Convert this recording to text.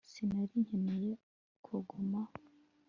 sinari nkeneye kuguma